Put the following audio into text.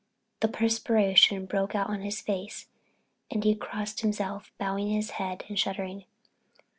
The perspiration broke out on his face and he crossed himself, bowing his head and shuddering.